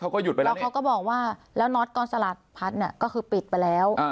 หยุดไปแล้วแล้วเขาก็บอกว่าแล้วน็อตกองสลัดพัดเนี่ยก็คือปิดไปแล้ว